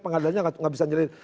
pengadilannya tidak bisa nyeret